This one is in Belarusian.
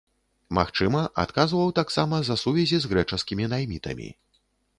Магчыма, адказваў таксама за сувязі з грэчаскімі наймітамі.